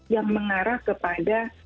yang mengarah kepada standar